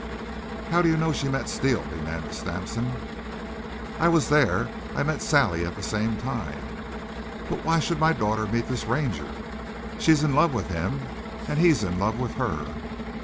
"How do you know she met Steele?" demanded Sampson. "I was there. I met Sally at the same time." "But why should my daughter meet this Ranger?" "She's in love with him and he's in love with her."